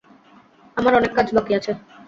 আমার অনেক কাজ বাকি আছে।